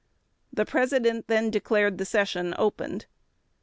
The President then declared the session opened.